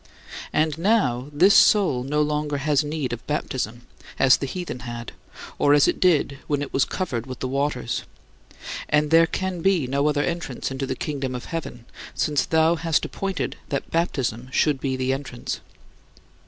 And now this soul no longer has need of baptism, as the heathen had, or as it did when it was covered with the waters and there can be no other entrance into the Kingdom of Heaven, since thou hast appointed that baptism should be the entrance.